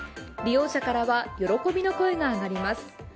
利用者からは喜びの声が上がります。